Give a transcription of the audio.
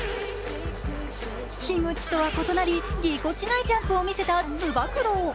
樋口とは異なり、ぎこちないジャンプを見せた、つば九郎。